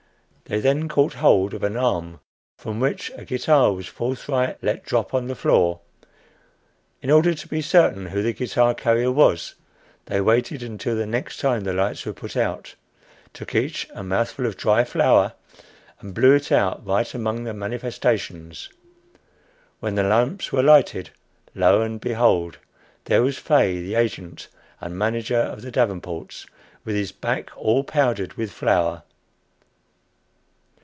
They then caught hold of an arm, from which a guitar was forthwith let drop on the floor. In order to be certain who the guitar carrier was, they waited until the next time the lights were put out, took each a mouthful of dry flour, and blew it out right among the "manifestations." When the lamps were lighted, lo and behold! there was Fay, the agent and manager of the Davenports, with his back all powdered with flour.